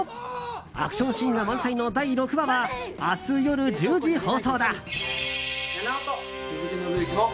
アクションシーンが満載の第６話は、明日夜１０時放送だ。